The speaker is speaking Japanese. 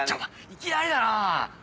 いきなりだな！